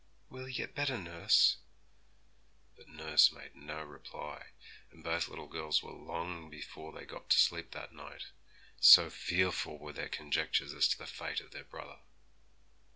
'Will he get better, nurse?' But nurse made no reply, and both little girls were long before they got to sleep that night, so fearful were their conjectures as to the fate of their brother.